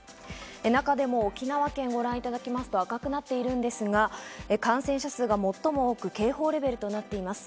中でも沖縄県を見てみますと赤くなっているんですが、感染者数が最も多く警報レベルとなっています。